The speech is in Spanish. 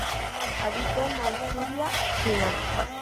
Habita en Manchuria, China.